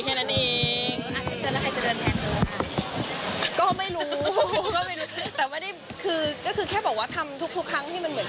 ไม่รู้ก็ไม่รู้แต่ไม่ได้คือก็คือแค่บอกว่าทำทุกครั้งที่มันเหมือน